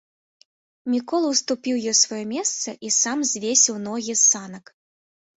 Мікола ўступіў ёй сваё месца і сам звесіў ногі з санак.